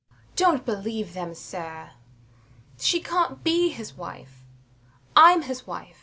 Dont believe them, sir. She cant be his wife. I'm his wife.